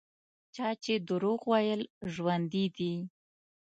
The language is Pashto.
چا چې دروغ ویل ژوندي دي.